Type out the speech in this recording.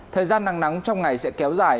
thời gian nắng nóng trong ngày sẽ kéo dài